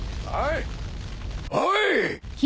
おい！